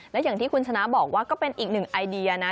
และอย่างที่คุณชนะบอกว่าก็เป็นอีกหนึ่งไอเดียนะ